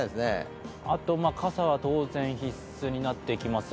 傘は当然、必須になってきます。